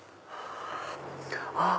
あっ！